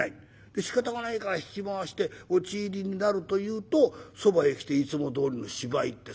でしかたがないから引き回して落入になるというとそばへ来ていつもどおりの芝居って。